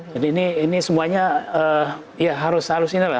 jadi ini semuanya ya harus halusin lah